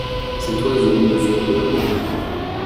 Cet oiseau mesure de long.